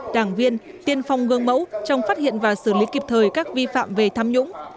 đảng viên tiên phong gương mẫu trong phát hiện và xử lý kịp thời các vi phạm về tham nhũng